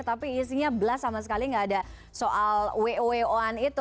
tapi isinya blast sama sekali nggak ada soal wo an itu